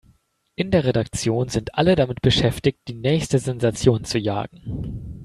In der Redaktion sind alle damit beschäftigt, die nächste Sensation zu jagen.